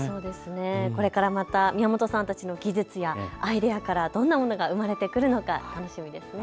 これからまた宮本さんたちの技術やアイデアからどんなものが生まれてくるのか楽しみですね。